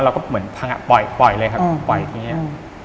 เราก็เหมือนพังอ่ะปล่อยเลยครับปล่อยที่เนี่ย